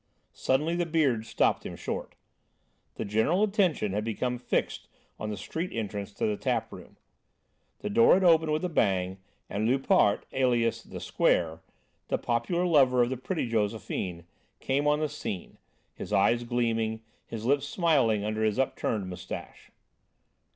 Suddenly the Beard stopped him short. The general attention had become fixed on the street entrance to the tap room. The door had opened with a bang and Loupart, alias "The Square," the popular lover of the pretty Josephine, came on the scene, his eyes gleaming, his lips smiling under his upturned moustache.